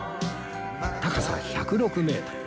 高さ１０６メートル